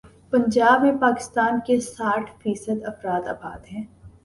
پنجاب میں پاکستان کے ساٹھ فی صد افراد آباد ہیں۔